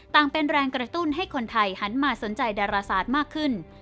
เป็นแรงกระตุ้นให้คนไทยหันมาสนใจดาราศาสตร์มากขึ้น